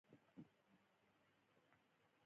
دغه بحث د عامو خلکو لپاره پیچلی دی.